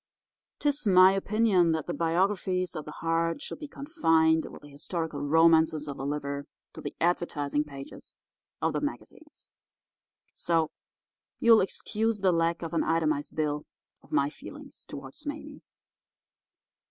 'Tis my opinion that the biographies of the heart should be confined with the historical romances of the liver to the advertising pages of the magazines. So, you'll excuse the lack of an itemised bill of my feelings toward Mame.